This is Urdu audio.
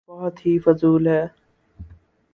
بہت ہی فضول ہے۔